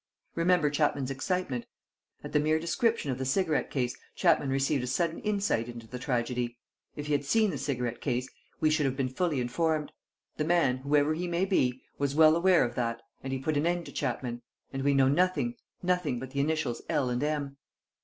Remember Chapman's excitement: at the mere description of the cigarette case, Chapman received a sudden insight into the tragedy. If he had seen the cigarette case, we should have been fully informed. The man, whoever he may be, was well aware of that: and he put an end to Chapman. And we know nothing, nothing but the initials L and M."